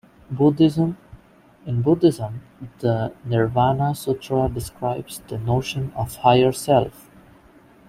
Buddhism: In Buddhism, the Nirvana Sutra describes the notion of Higher self.